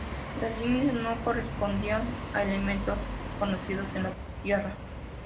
Las líneas no correspondían a elementos conocidos en la Tierra.